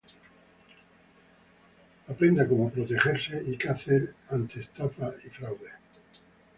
Aprenda cómo protegerse y qué hacer ante estafas y fraudes.